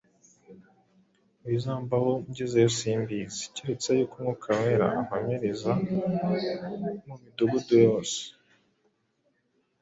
ibizambaho ngezeyo simbizi; keretse yuko Umwuka Wera ampamiriza mu midugudu yose,